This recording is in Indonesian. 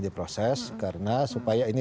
diproses karena supaya ini